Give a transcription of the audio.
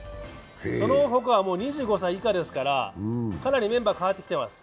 その他は２５歳以下ですから、かなりメンバー替わってきてます